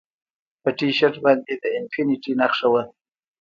په ټي شرټ باندې د انفینټي نښه وه